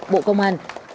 bộ công an